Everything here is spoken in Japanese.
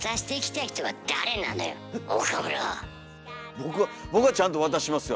僕は僕はちゃんと渡しますよ。